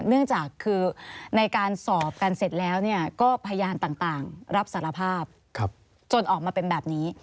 เนื่องจากคือในการสอบกันเสร็จแล้วก็พยานต่างรับสารภาพจนออกมาเป็นแบบนี้